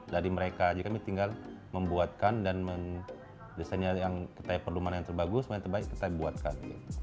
dari mereka saja kami tinggal membuatkan dan desain yang terbaik kita buatkan